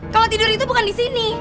kalau tidur itu bukan disini